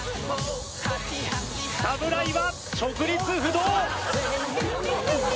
侍は直立不動。